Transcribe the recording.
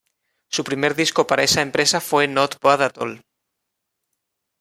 Su primer disco para esa empresa fue Not bad at all.